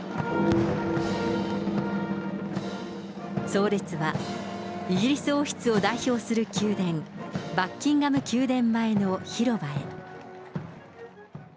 葬列は、イギリス王室を代表する宮殿、バッキンガム宮殿前の広場へ。